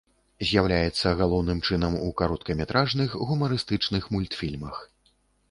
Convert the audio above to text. З'яўляецца галоўным чынам у кароткаметражных гумарыстычных мультфільмах.